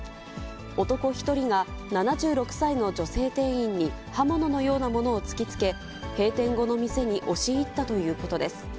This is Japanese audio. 男１人が７６歳の女性店員に刃物のようなものを突きつけ、閉店後の店に押し入ったということです。